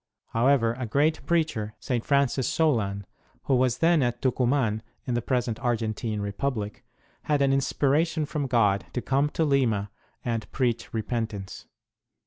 However, a great preacher, St. Francis Solan, who was then at Tucuman (in the present Argentine Republic), had an inspira tion from God to come to Lima and preach repentance.